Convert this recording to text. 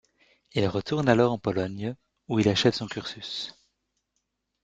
Il retourne alors en Pologne, où il achève son cursus.